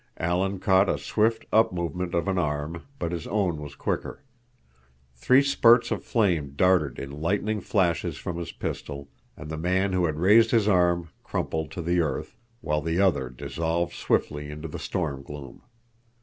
Alan caught a swift up movement of an arm, but his own was quicker. Three spurts of flame darted in lightning flashes from his pistol, and the man who had raised his arm crumpled to the earth, while the other dissolved swiftly into the storm gloom.